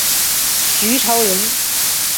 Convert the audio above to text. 徐潮人。